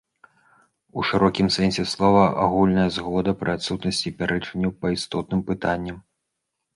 У шырокім сэнсе слова агульная згода пры адсутнасці пярэчанняў па істотным пытанням.